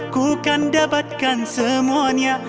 ku akan dapatkan semuanya